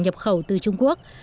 nhập khẩu từ mỹ và trung quốc